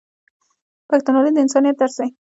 پښتونولي د انسانیت درس دی.